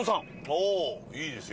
ほういいですよ。